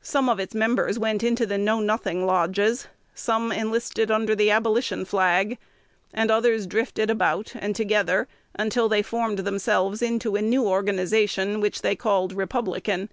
Some of its members went into the Know Nothing lodges; some enlisted under the Abolition flag, and others drifted about and together until they formed themselves into a new organization, which they called Republican.